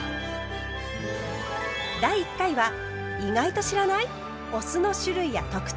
第１回は意外と知らない⁉お酢の種類や特徴